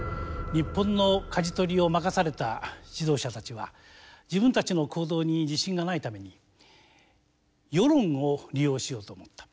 日本の舵取りを任された指導者たちは自分たちの行動に自信がないために世論を利用しようと思った。